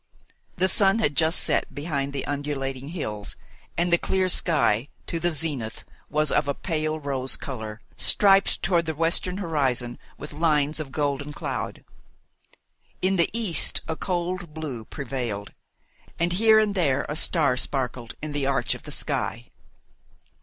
The sun had just set behind the undulating hills, and the clear sky, to the zenith, was of a pale rose colour, striped towards the western horizon with lines of golden cloud. In the east a cold blue prevailed, and here and there a star sparkled in the arch of the sky.